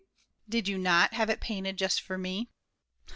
Did you not have it painted just for me?